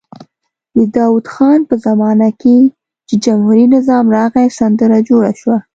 د داود خان په زمانه کې چې جمهوري نظام راغی سندره جوړه شوه.